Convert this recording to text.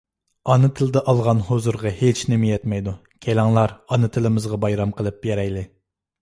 ئانا تىلدا ئالغان ھۇزۇرغا ھېچنېمە يەتمەيدۇ. كېلىڭلار، ئانا تىلىمىزغا بايرام قىلىپ بېرەيلى!